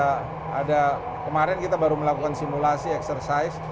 jadi ada kemarin kita baru melakukan simulasi exercise